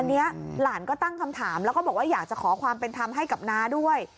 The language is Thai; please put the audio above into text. อันนี้หลานก็ตั้งคำถามแล้วก็บอกว่าอยากจะขอความเป็นธรรมให้กับน้าด้วย